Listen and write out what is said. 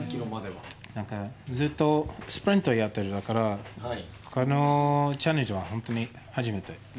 ずっとスプリントをやっていたからこのチャレンジは本当に初めて。